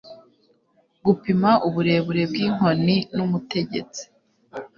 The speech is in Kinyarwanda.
Gupima uburebure bw'inkoni n'umutegetsi.